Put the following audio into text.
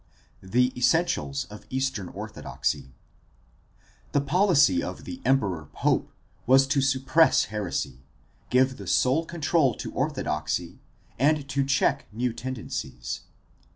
The essentials of Eastern orthodoxy. — The policy of the emperor pope was to suppress heresy, give the sole control to orthodoxy, and to check new tendencies.